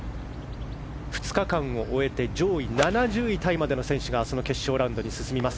２日間を終えて上位７０位タイまでの選手がその決勝ラウンドに進みます。